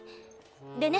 でね